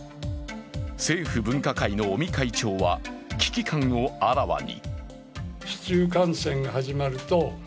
政府分科会の尾身会長は危機感をあらわに。